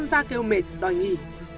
thơm lăm ra kêu mệt đòi nghỉ